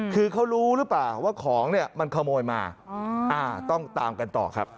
คือเขารู้หรือเปล่าว่าของเนี่ยมันขโมยมาต้องตามกันต่อครับ